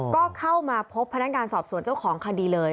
ก็เข้ามาพบพนักงานสอบสวนเจ้าของคดีเลย